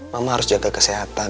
mama harus jaga kesehatan